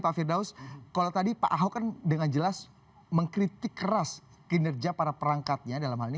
pak firdaus kalau tadi pak ahok kan dengan jelas mengkritik keras kinerja para perangkatnya dalam hal ini